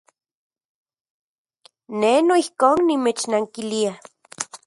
Ne noijkon nimechnankilia.